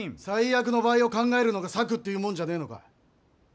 最悪の場合を考えるのが策っていうもんじゃねえのか。